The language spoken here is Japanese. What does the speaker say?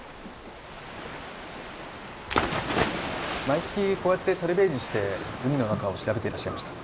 毎月こうやってサルベージして海の中を調べていらっしゃいました。